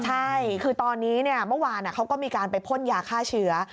ใช่คือตอนนี้เมื่อวานเขาก็มีการไปพ่นยาฆ่าเชื้อ